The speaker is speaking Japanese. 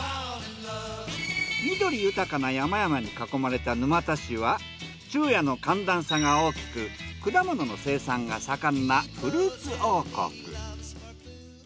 緑豊かな山々に囲まれた沼田市は昼夜の寒暖差が大きく果物の生産が盛んなフルーツ王国。